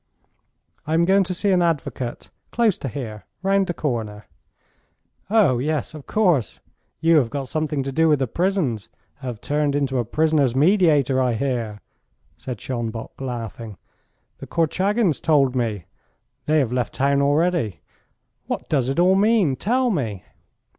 "I am going to see an advocate, close to here round the corner." "Oh, yes, of course. You have got something to do with the prisons have turned into a prisoners' mediator, I hear," said Schonbock, laughing. "The Korchagins told me. They have left town already. What does it all mean? Tell me."